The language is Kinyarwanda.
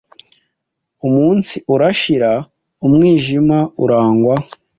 Umunsi urashira umwijima uragwa